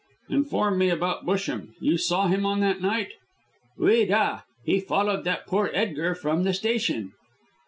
"Inform me about Busham. You saw him on that night?" "Oui da! He followed that poor Edgar from the station."